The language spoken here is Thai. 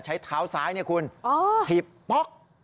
ใช้เท้าซ้ายเนี่ยคุณถีบป๊อก